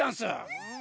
うん。